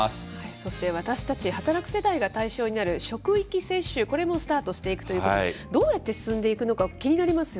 そして私たち働く世代が対象になる職域接種、これもスタートしていくということで、どうやって進んでいくのか気になりますよ